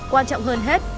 quan trọng hơn hết